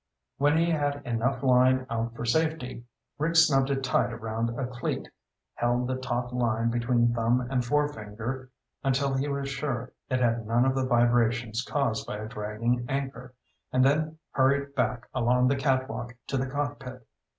When he had enough line out for safety, Rick snubbed it tight around a cleat, held the taut line between thumb and forefinger until he was sure it had none of the vibrations caused by a dragging anchor, and then hurried back along the catwalk to the cockpit.